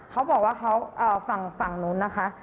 เขาบอกว่าเขาฝั่งนู้นนะคะ